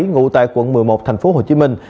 ngụ tại quận một mươi một thành phố hồ chí minh